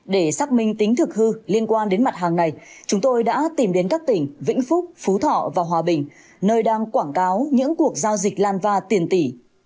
để xác minh tính thực hư liên quan đến mặt hàng này chúng tôi đã tìm đến các tỉnh vĩnh phúc phú thọ và hòa bình nơi đang quảng cáo những cuộc giao dịch lanva tiền tỷ